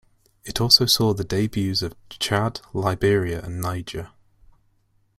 It also saw the debuts of Chad, Liberia and Niger.